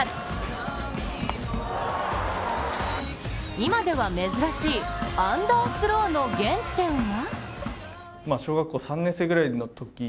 今では珍しいアンダースローの原点は？